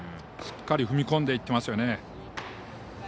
しっかり踏み込んでいってますね。